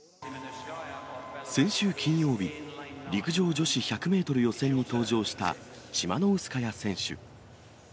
先週金曜日、陸上女子１００メートル予選に登場した、チマノウスカヤ選手。